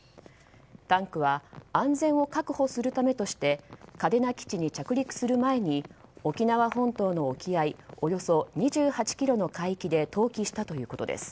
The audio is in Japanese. タンクは安全を確保するためとして嘉手納基地に着陸する前に沖縄本島の沖合およそ２８ｋｍの海域で投棄したということです。